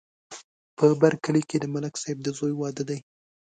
په بر کلي کې د ملک صاحب د زوی واده دی